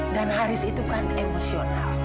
dan haris itu kan emosional